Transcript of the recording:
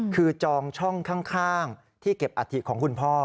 คือจองช่องข้างที่เก็บอัฐิของคุณพ่อ